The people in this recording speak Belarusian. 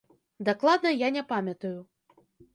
Дакладна я не памятаю.